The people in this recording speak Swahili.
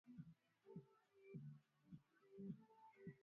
na ushindi hivyo ac millan ametupwa nje katika